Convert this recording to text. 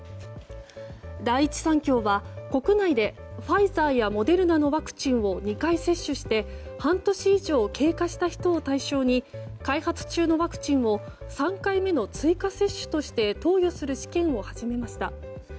第一三共は国内でファイザーやモデルナのワクチンを２回接種して半年以上経過した人を対象に開発中のワクチンを３回目の追加接種として投与する試験を始めました。